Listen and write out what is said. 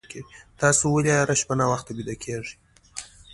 تاسي ولې هره شپه ناوخته ویده کېږئ؟